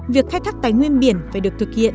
việc khai thác tài nguyên biển phải được thực hiện